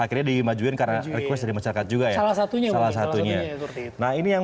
akhirnya dimajuin karena request dari masyarakat juga ya salah satunya nah ini yang